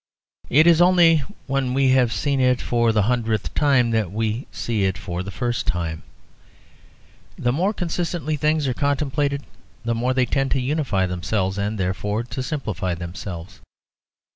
It is only when we have seen it for the hundredth time that we see it for the first time. The more consistently things are contemplated, the more they tend to unify themselves and therefore to simplify themselves.